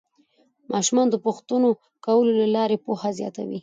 ماشومان د پوښتنو کولو له لارې پوهه زیاتوي